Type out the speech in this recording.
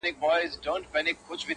صبر وکړه لا دي زمانه راغلې نه ده-